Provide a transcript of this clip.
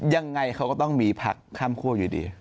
ยังไงเขาก็ต้องมีพักข้ามคั่วอยู่ดี